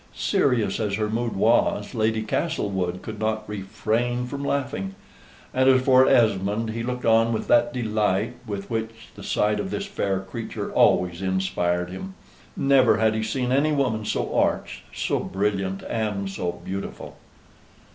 Serious as her mood was, Lady Castlewood could not refrain from laughing; and as for Esmond he looked on with that delight with which the sight of this fair creature always inspired him: never had he seen any woman so arch, so brilliant, and so beautiful.